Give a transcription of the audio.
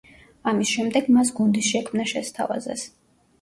ამის შემდეგ მას გუნდის შექმნა შესთავაზეს.